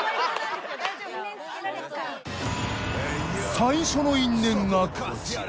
最初の因縁がこちら。